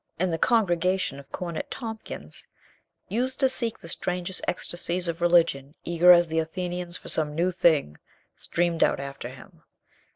And the congregation of Cornet Tompkins, used to seek the strangest ecstasies of religion, eager as the Athenians for some new thing, streamed out after him.